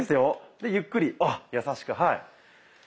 でゆっくり優しくはい。